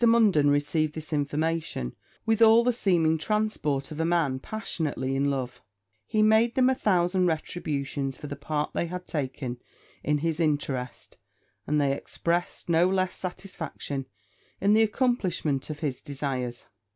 Munden received this information with all the seeming transport of a man passionately in love; he made them a thousand retributions for the part they had taken in his interest; and they expressed no less satisfaction in the accomplishment of his desires.